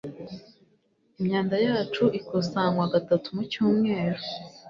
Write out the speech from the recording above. Imyanda yacu ikusanywa gatatu mu cyumweru.